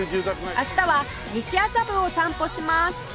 明日は西麻布を散歩します